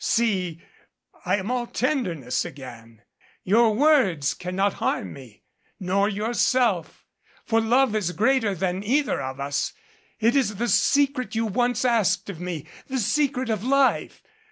See. I am all tenderness again. Your words cannot harm me nor yourself. For love is greater than either of us. It is the secret you once asked of me, the secret of life.